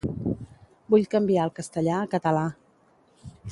Vull canviar el castellà a català.